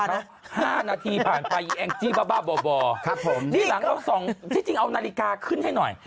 นี่หลังเราส่งที่จริงเอานาฬิกาขึ้นให้หน่อย